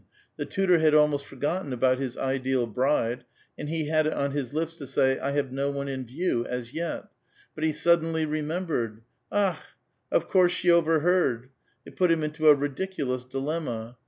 The tutor had almost forgotten al)out his ideal bride, and he had it on his lips to say, ''I have no one in view as yet "; but he suddenly remembered. Akli ! of coui se slie overheard ! It put him into a ridicu lous dilemma.